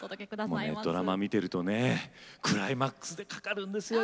ドラマ見てるとねクライマックスでかかるんですよ。